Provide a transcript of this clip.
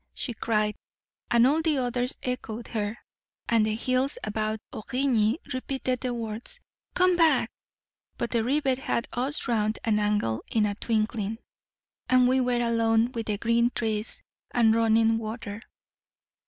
she cried; and all the others echoed her; and the hills about Origny repeated the words, 'Come back.' But the river had us round an angle in a twinkling, and we were alone with the green trees and running water.